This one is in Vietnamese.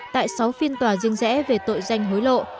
tại sáu phiên tòa riêng rẽ về tội danh hối lộ